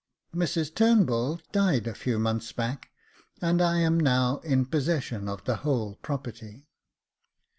Mrs Turnbull died a few months back, and I am now in possession of the whole property.